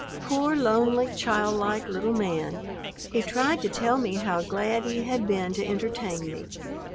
Poor, lonely, childlike little man! He tried to tell me how glad he had been to entertain me.